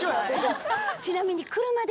ちなみに。